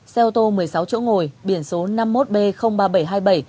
xe ô tô một mươi sáu chỗ ngồi biển số năm mươi một b ba nghìn bảy trăm hai mươi bảy